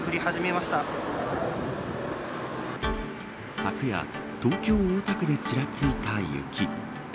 昨夜、東京、大田区でちらついた雪。